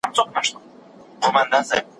د دروازې پر سر یې ګل کرلي دینه